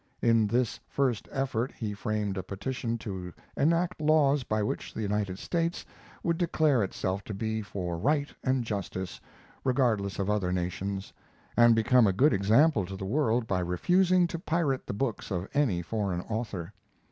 In this first effort he framed a petition to enact laws by which the United States would declare itself to be for right and justice, regardless of other nations, and become a good example to the world by refusing to pirate the books of any foreign author.